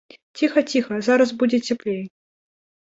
Ціха, ціха, зараз будзе цяплей.